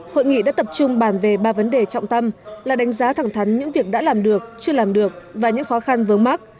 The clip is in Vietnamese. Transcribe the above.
hội nghị đã tập trung bàn về ba vấn đề trọng tâm là đánh giá thẳng thắn những việc đã làm được chưa làm được và những khó khăn vớn mắc